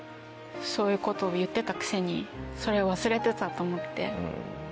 そういうことを言ってたくせにそれを忘れてたと思って。